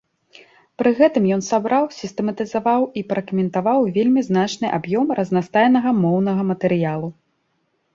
Пры гэтым ён сабраў, сістэматызаваў і пракаментаваў вельмі значны аб'ём разнастайнага моўнага матэрыялу.